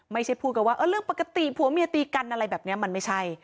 ไม่ใช่พูดกันว่าเรื่องปกติผัวเมียตีกันอะไรแบบนี้มันไม่ใช่